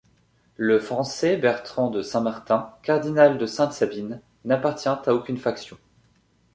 Le Français Bertran de Saint-Martin, cardinal de Sainte-Sabine, n'appartient à aucune faction.